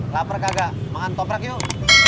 lapar kagak makan toprak yuk